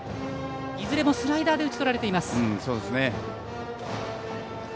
いずれもスライダーで打ちとられています。